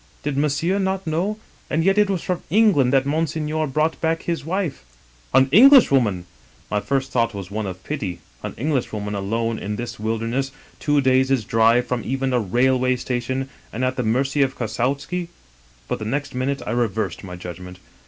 Did Monsieur not know ? And yet it was from England that Monseigneur brought back his wife.' "* An Englishwoman !'" My first thought was one of pity ; an Englishwoman alone in this wilderness — ^two days' drive from even a rail way station — and at the mercy of Kossowskil But the next minute I reversed my judgment.